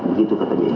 begitu kata benny